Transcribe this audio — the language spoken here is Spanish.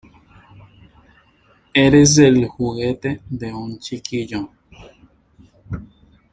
¡ Eres el juguete de un chiquillo!